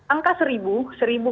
angka seribu seribu